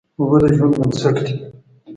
اوبه د ژوند بنسټ دي.